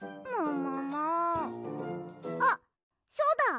あっそうだ！